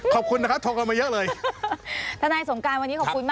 ขอบคุณนะคะโทรมาเยอะเลย